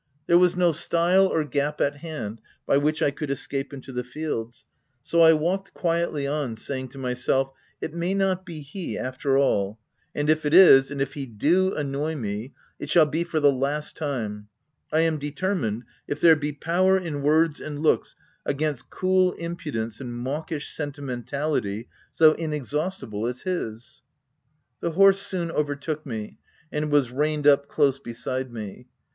There was no stile or gap at hand, by which I could escape into the fields : so I walked quietly on, saying to myself —" It may not be he after all ; and if it is, and if he do annoy me — it shall be for the last time — I am determined, if there be power in words and looks against cool impudence and mawkish sentimentality so inexhaustible as his." The horse soon overtook me, and was reined up close beside me.